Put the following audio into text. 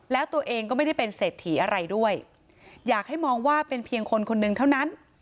แล้วตัวเองก็ไม่ได้เป็นเศรษฐีอะไรด้วยอยากให้มองว่าเป็นเพียงคนคนหนึ่งเท่านั้น